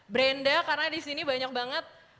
brenda karena disini banyak banget